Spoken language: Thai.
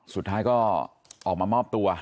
สุดท้ายก็ออกมามอบตัว